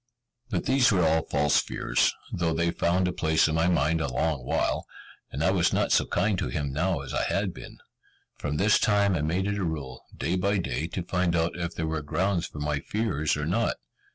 But these were all false fears, though they found a place in my mind a long while; and I was not so kind to him now as I had been. From this time I made it a rule, day by day, to find out if there were grounds for my fears or not.